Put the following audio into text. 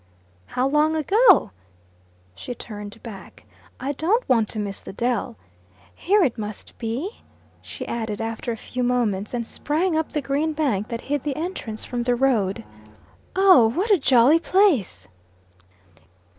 "How long ago?" She turned back. "I don't want to miss the dell. Here it must be," she added after a few moments, and sprang up the green bank that hid the entrance from the road. "Oh, what a jolly place!"